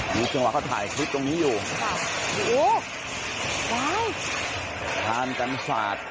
รู้จังหวะเขาถ่ายคลิปตรงนี้อยู่เปล่าโอ้โหว้ายทานกันศาสตร์